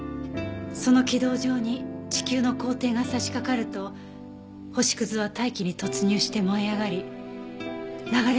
その軌道上に地球の公転が差しかかると星屑は大気に突入して燃え上がり流れ星が出現する。